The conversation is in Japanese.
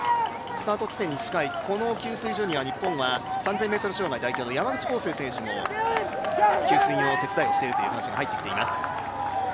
スタート地点に近いこの給水所には日本は３０００ｍ障害代表の山口浩勢選手も給水の手伝いをしているという話も入ってきています。